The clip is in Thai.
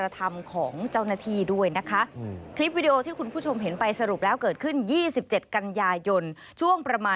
ที่คุณผู้ชมเห็นไปสรุปแล้ว